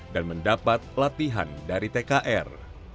dan mendapat latihan dari tkr